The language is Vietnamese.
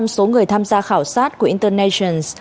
tám mươi ba số người tham gia khảo sát của international